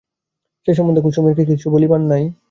সে সম্বন্ধে কুসুমের কি বলিবার কিছু নাই?